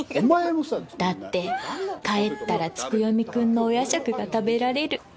だって帰ったら月読くんのお夜食が食べられる